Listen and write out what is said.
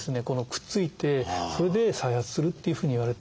くっついてそれで再発するっていうふうにいわれています。